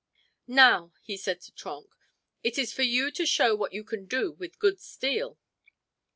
"Now," he said to Trenck, "it is for you to show what you can do with good steel!"